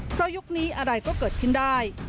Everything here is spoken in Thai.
เพราะยุคนี้อะไรก็เกิดขึ้นได้